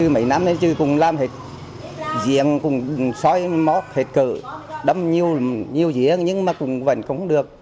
mấy năm nay chứ cũng làm hết diện cũng xói móc hết cử đâm nhiều dĩa nhưng mà cũng vẫn không được